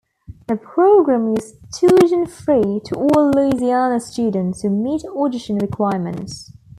The program is tuition-free to all Louisiana students who meet audition requirements.